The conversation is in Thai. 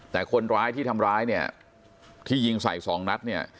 แต่คนร้ายที่ทำร้ายเนี่ยที่ยิงใส่สองนัดเนี่ย